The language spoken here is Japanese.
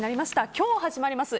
今日始まります